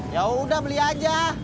yaudah beli aja